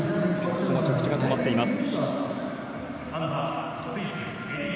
着地が止まっています。